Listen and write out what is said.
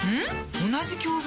同じ教材？